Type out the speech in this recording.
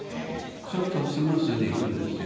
そうするとスムースにいくんですよね。